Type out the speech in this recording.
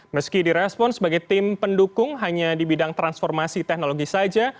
meski direspon sebagai tim pendukung hanya di bidang transformasi teknologi saja